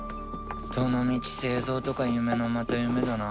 どのみち製造とか夢のまた夢だな。